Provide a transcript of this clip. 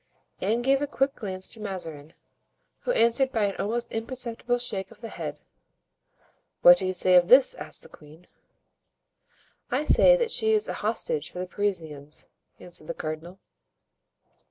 Anne gave a quick glance to Mazarin, who answered by an almost imperceptible shake of his head. "What do you say of this?" asked the queen. "I say that she is a hostage for the Parisians," answered the cardinal.